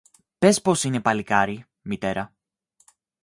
Πες πως είναι παλικάρι, Μητέρα.